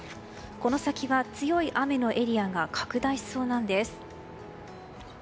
この先は強い雨のエリアが拡大しそうなんです。